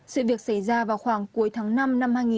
sự việc xảy ra vào khoảng cuối tháng năm năm hai nghìn một mươi tám